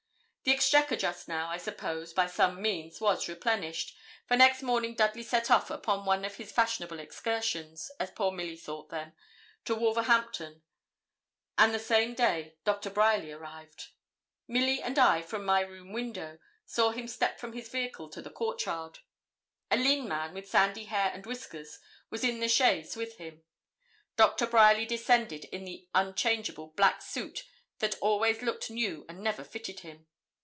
The exchequer just now, I suppose, by some means, was replenished, for next morning Dudley set off upon one of his fashionable excursions, as poor Milly thought them, to Wolverhampton. And the same day Dr. Bryerly arrived. Milly and I, from my room window, saw him step from his vehicle to the court yard. A lean man, with sandy hair and whiskers, was in the chaise with him. Dr. Bryerly descended in the unchangeable black suit that always looked new and never fitted him.